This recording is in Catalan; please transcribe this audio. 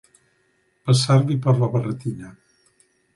Passar-li per la barretina.